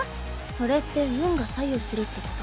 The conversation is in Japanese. それって運が左右するって事？